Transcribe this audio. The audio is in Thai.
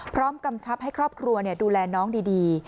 พร้อมกำชับให้ครอบครัวเนี่ยดูแลน้องดี